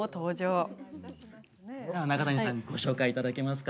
では中谷さんご紹介いただけますか？